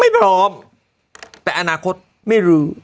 พร้อมแต่อนาคตไม่รู้